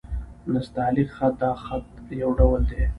نستعلیق خط؛ د خط يو ډول دﺉ.